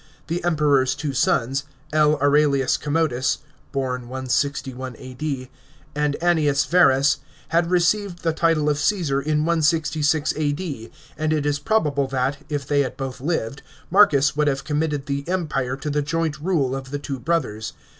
The Emperor's two sons, L. Aurelius Commodus (born 161 A.D.) and Annius Yerus, had received the title of Caesar in 166 A.D., and it is probable that, if they had both lived, Marcus would have committed the Empire to the joint rule of the two brothers.